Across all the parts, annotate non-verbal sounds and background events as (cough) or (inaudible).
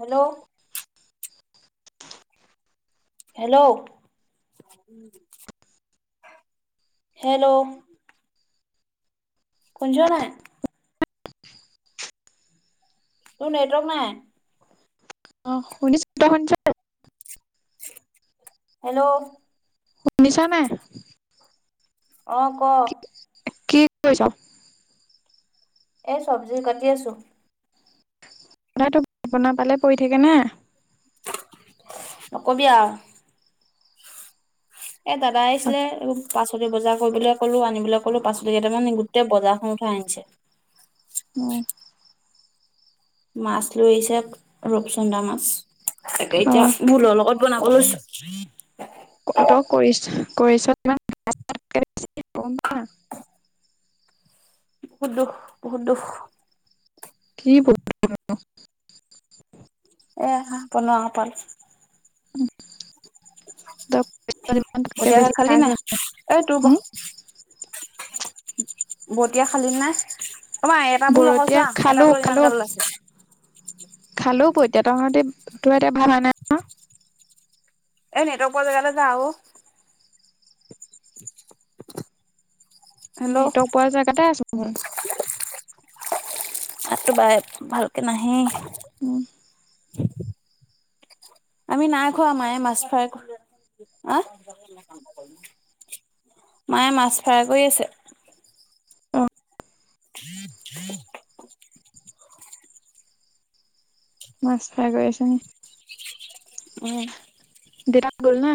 Hello,. Hello hello. শুনিছ নাই? তোৰ নেটৱৰ্ক নাই। অ, শুনিছো। তই শুনিছ? হেল্ল'। শুনিছা নাই? অ ক কি কৰিছ? এই চব্জি কাটি আছোঁ। বনোৱাটো আপোনাৰ পালে পৰি থাকে নে নকবি আও এ দাদা অ আহিছিলে পাচলি বজাৰ কৰিবলৈ কলো আনিবলৈ কলো পাচলি কেইটামান গোটেই বজাৰখন উঠাই আনিছে। উম মাছ লৈ আহিছে ৰূপচন্দা মাছ তাকে এতিয়া ভূলৰ লগত বনাব লৈছো। তই কৰিছ কৰিছ নে বহুত দুখ বহুত দুখ কি পোক কিবা ক এ হাঁহ বনোৱা পাল ইমান কি পইতা ভাত বেছি খালি খাইছ নাই এই তোৰ ব উম বতিয়া খালি নাই? অ মা এটা ভুল অকল বৰতীয়া চোৱা এটা খালো ভুলত ইমান খালো গাল ওলাইছে খালো পইতা ভাতকে দুপৰীয়া এতিয়া ভাত আনে নাই এই নেটৱৰ্ক পোৱা জেগালৈ যা ঔ হেল্ল' নেটৱৰ্ক পোৱা জেগাতে আছো মই মাতটো একেবাই ভালকৈ নাহেই উম আমি নাই খোৱা মায়ে মাছ ফ্ৰাই কৰি আহ মায়ে মাছ ফ্ৰাই কৰি আছে। অ (inaudible) মাছ ফ্ৰাই কৰি আছে নি? উম বেটাক লৈ আহিম হা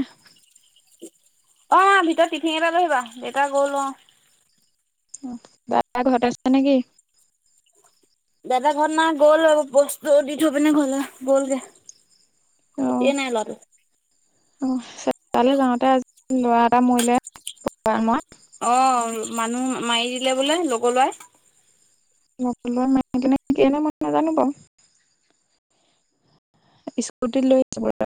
অঁ ভিতৰত টিফিন এটা লৈ আহিবা দেউতা গ'ল অঁ অ দাদা ঘৰতে আছে নেকি? দাদা ঘৰত নাই গ'ল বস্তু দি থৈ পিনে ঘলে গ'লগে ছুটিয়ে নাই ল'ৰাটো অঁ তালৈ যাওঁতে আজি ল'ৰা এটা মৰিলে ঘোঁৰামৰাত অ মানুহ মাৰি দিলে বোলে লগৰ লগাই মনে (unintelligible) মই নাজানো বাৰু স্কুটিত লৈ যাব পাৰে